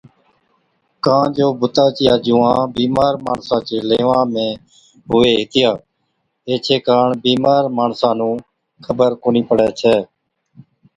ڪان جو بُتا چِيا جُوئان بِيمار ماڻسا چي ليوان ۾ هُوي هِتِيا ايڇي ڪاڻ بِيمار ماڻسا نُون خبر ڪونهِي پڙَي ڇَي